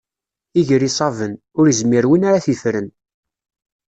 Iger iṣaben, ur izmir win ara t-iffren.